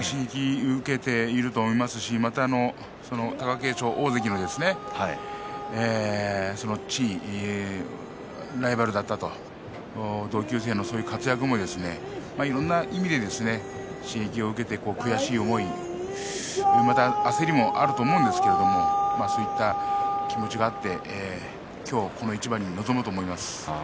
受けていると思いますし大関の貴景勝その地位、ライバルだったと同級生のそういう活躍もいろんな意味で刺激を受けて悔しい思いまた焦りもあると思うんですけれどそういった気持ちがあって今日この一番に臨むと思います。